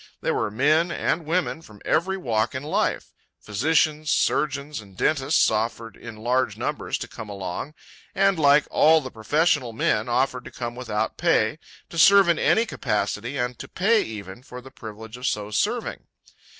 There were men and women from every walk in life. Physicians, surgeons, and dentists offered in large numbers to come along, and, like all the professional men, offered to come without pay, to serve in any capacity, and to pay, even, for the privilege of so serving.